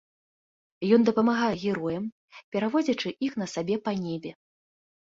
Ён дапамагае героям, перавозячы іх на сабе па небе.